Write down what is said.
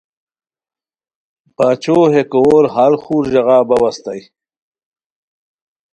باچھو ہے کوؤر ہال خور ژاغہ باؤ استانی